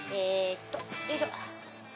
よいしょ！